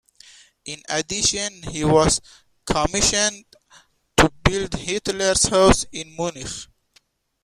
In addition, he was commissioned to build Hitler's house in Munich.